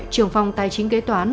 trường phòng tài chính kế toán